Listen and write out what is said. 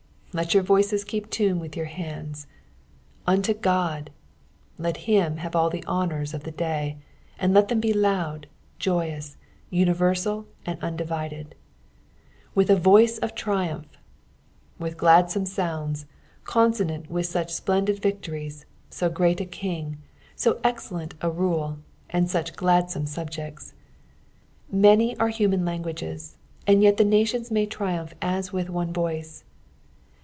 let your voices keep tune with your hands. " Unto Ood," let him have all the honours of the day, and let them be loud, joyous, universal, and undivided. " With the Boiee of triumph," with gladsome ■onnda, consonant with such splendid victories, so great a King, so excellent a role, and such gladsome subjects. Many are human languages, and yet the nations may triumph as with one voice.